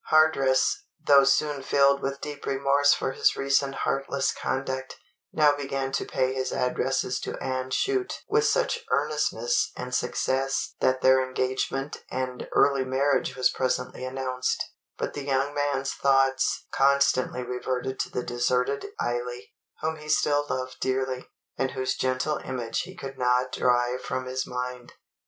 Hardress, though soon filled with deep remorse for his recent heartless conduct, now began to pay his addresses to Anne Chute with such earnestness and success that their engagement and early marriage was presently announced; but the young man's thoughts constantly reverted to the deserted Eily, whom he still loved dearly, and whose gentle image he could not drive from his mind.